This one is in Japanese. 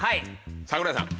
桜井さん。